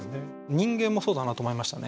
人間もそうだなと思いましたね。